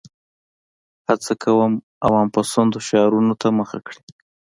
هڅه کوي عوام پسندو شعارونو ته مخه کړي.